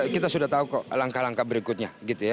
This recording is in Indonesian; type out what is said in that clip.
kita sudah tahu kok langkah langkah berikutnya